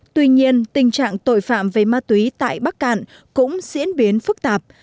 tuy nhiên tình trạng tội phạm về ma túy tại bắc cạn cũng diễn biến phức tạp